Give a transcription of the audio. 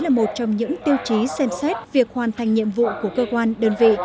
là một trong những tiêu chí xem xét việc hoàn thành nhiệm vụ của cơ quan đơn vị